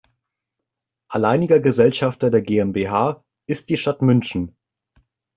Alleiniger Gesellschafter der GmbH ist die Stadt München.